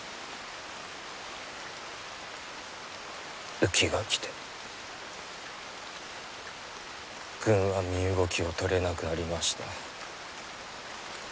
雨季が来て軍は身動きを取れなくなりました。